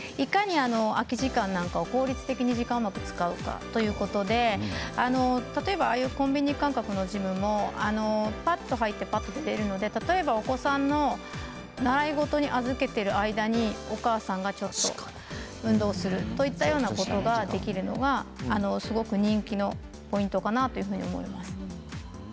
空き時間を効率的にうまく使うかということで例えばコンビニ感覚のジムもぱっと入ってぱっと出るのでお子さんを習い事に預けている間にお母さんがちょっと運動するといったようなことができるのがすごく人気のポイントかなというふうに思います。